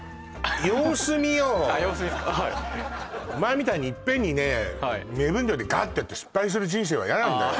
様子見よあっ様子見ですかはいお前みたいにいっぺんにね目分量でガーッてやって失敗する人生は嫌なんだよ